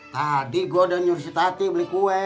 tadi gue udah nyuruh si tati beli kue